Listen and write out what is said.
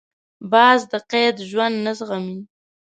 باز د قید ژوند نه زغمي